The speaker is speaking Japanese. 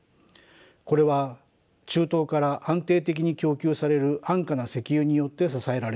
これは中東から安定的に供給される安価な石油によって支えられていました。